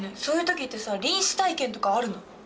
そういう時ってさ臨死体験とかあるの？